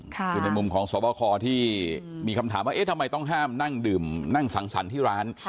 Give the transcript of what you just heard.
คือในมุมของสวบคที่มีคำถามว่าเอ๊ะทำไมต้องห้ามนั่งดื่มนั่งสังสรรค์ที่ร้าน